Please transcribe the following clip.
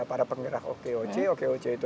para penggerak okoc okoc itu